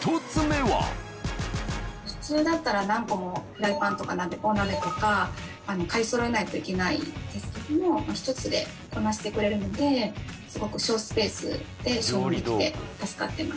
普通だったら何個もフライパンとかお鍋とか買いそろえないといけないですけど１つでこなしてくれるのですごく小スペースで収納できて助かってます。